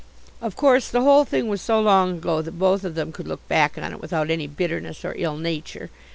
Of course the whole thing was so long ago that both of them could look back on it without any bitterness or ill nature.